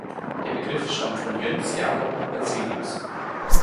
Der Begriff stammt von Jöns Jakob Berzelius.